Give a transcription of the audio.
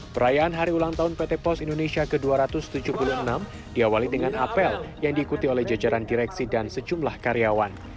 perayaan hari ulang tahun pt pos indonesia ke dua ratus tujuh puluh enam diawali dengan apel yang diikuti oleh jajaran direksi dan sejumlah karyawan